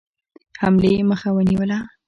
حملې مخه ونیوله.